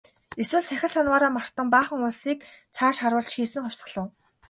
Эсвэл сахил санваараа мартан баахан улсыг цааш харуулж хийсэн хувьсгал уу?